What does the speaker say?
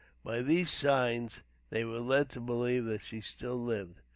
By these signs, they were led to believe that she still lived.